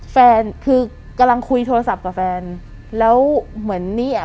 แฟนคือกำลังคุยโทรศัพท์กับแฟนแล้วเหมือนนี่อ่ะ